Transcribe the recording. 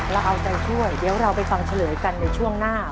เราเอาใจช่วยเดี๋ยวเราไปฟังเฉลยกันในช่วงหน้า